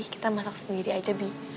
kita masak sendiri aja bi